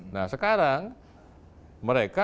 nah sekarang mereka